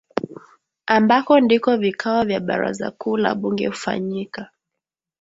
ambako ndiko vikao vya baraza kuu la bunge hufanyika